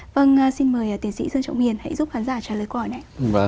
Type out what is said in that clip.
vâng xin mời tiến sĩ dương trọng hiền hãy giúp khán giả trả lời câu hỏi này